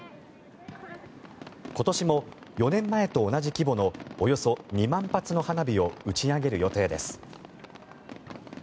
今年も４年前と同じ規模のおよそ２万発の花火を打ち上げる予定です。